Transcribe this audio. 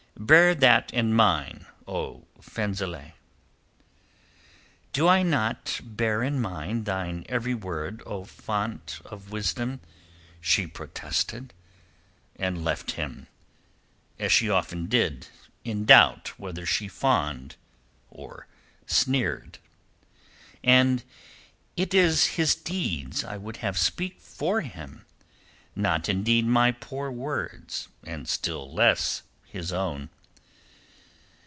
Bear thou that in mind, O Fenzileh." "Do I not bear in mind thine every word, O fount of wisdom?" she protested, and left him, as she often did, in doubt whether she fawned or sneered. "And it is his deeds I would have speak for him, not indeed my poor words and still less his own."